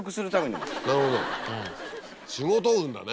なるほど仕事運だね。